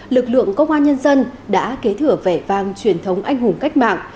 lực lượng công an nhân dân đã kế thừa vẻ vang truyền thống anh hùng cách mạng